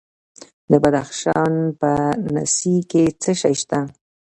د بدخشان په نسي کې څه شی شته؟